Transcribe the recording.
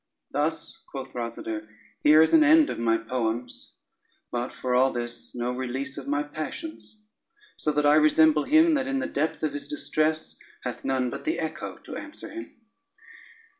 "Thus," quoth Rosader, "here is an end of my poems, but for all this no release of my passions; so that I resemble him that in the depth of his distress hath none but the echo to answer him."